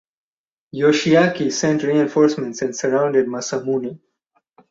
Yoshiaki sent reinforcements and surrounded Masamune.